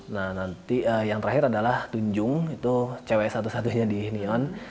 nah nanti yang terakhir adalah tunjung itu cewek satu satunya di neon